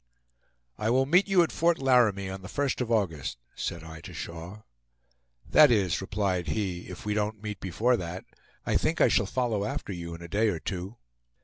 "I will meet you at Fort Laramie on the 1st of August," said I to Shaw. "That is," replied he, "if we don't meet before that. I think I shall follow after you in a day or two."